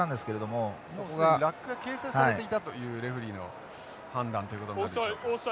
もう既にラックが形成されていたというレフリーの判断ということになるのでしょうか。